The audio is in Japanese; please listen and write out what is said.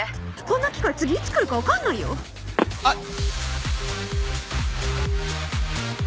こんな機会次いつ来るか分かんないよ？あっ。